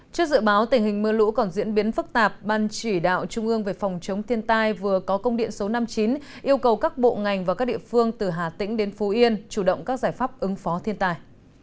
trước dự báo tình hình mưa lũ còn diễn biến phức tạp ban chỉ đạo trung ương về phòng chống thiên tai vừa có công điện số năm mươi chín yêu cầu các bộ ngành và các địa phương từ hà tĩnh đến phú yên chủ động các giải pháp ứng phó thiên tài